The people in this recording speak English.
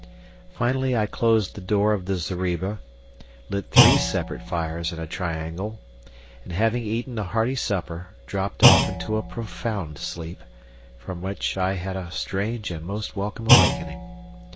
Finally, I closed the door of the zareba, lit three separate fires in a triangle, and having eaten a hearty supper dropped off into a profound sleep, from which I had a strange and most welcome awakening.